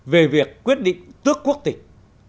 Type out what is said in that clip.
về việc quyết định tước quốc tịch